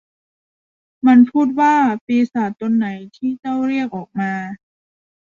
มันพูดว่า ปีศาจตนไหนที่เจ้าเรียกออกมา